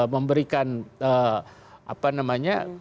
memberikan apa namanya